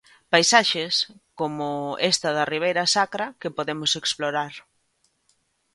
Paisaxes coma esta da Ribeira Sacra que podemos explorar...